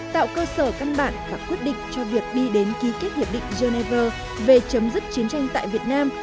tạo cơ sở căn bản và quyết định cho việc đi đến ký kết hiệp định geneva về chấm dứt chiến tranh tại việt nam